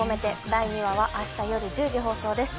第２話は明日夜１０時放送です。